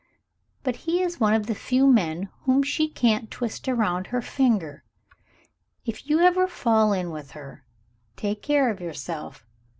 But he is one of the few men whom she can't twist round her finger. If you ever fall in with her, take care of yourself.